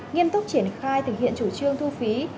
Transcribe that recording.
nghiêm túc triển khai thực hiện chủ trương thu phí